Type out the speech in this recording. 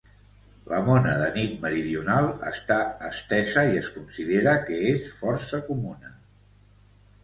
La mona de nit meridional està estesa i es considera que es força comuna.